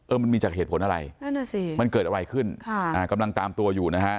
เออมันมีจากเหตุผลอะไรมันเกิดอะไรขึ้นกำลังตามตัวอยู่นะฮะ